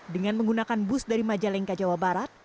dengan menggunakan bus dari majalengka jawa barat